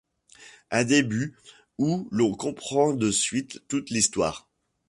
Un début où l’on comprend de suite toute l’histoire.